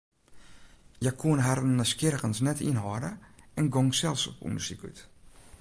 Hja koene harren nijsgjirrigens net ynhâlde en gongen sels op ûndersyk út.